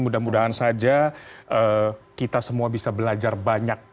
mudah mudahan saja kita semua bisa belajar banyak